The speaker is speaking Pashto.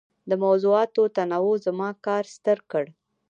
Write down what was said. د موضوعاتو تنوع زما کار ستر کړ.